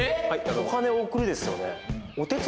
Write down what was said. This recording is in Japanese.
お金を送るですよね